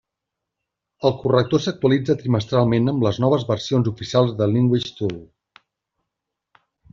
El corrector s'actualitza trimestralment amb les noves versions oficials de LanguageTool.